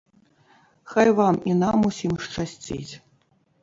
Хай вам і нам ўсім шчасціць!